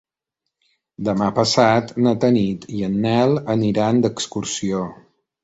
Demà passat na Tanit i en Nel aniran d'excursió.